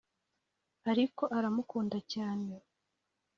ariko aramukunda cyane